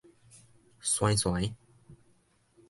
傖傖